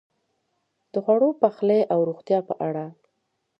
د خوړو، پخلی او روغتیا په اړه: